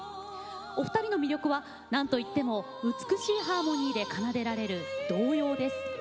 お二人の魅力は、なんといっても美しいハーモニーで奏でられる童謡です。